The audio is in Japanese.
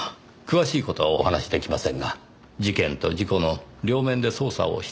詳しい事はお話し出来ませんが事件と事故の両面で捜査をしているようです。